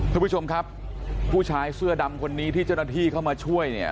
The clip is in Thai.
ทุกผู้ชมครับผู้ชายเสื้อดำคนนี้ที่เจ้าหน้าที่เข้ามาช่วยเนี่ย